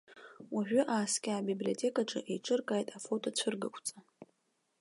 Уажәы ааскьа абиблиотекаҿы еиҿыркааит афотоцәыргақәҵа.